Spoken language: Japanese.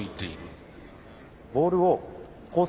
ボールをコース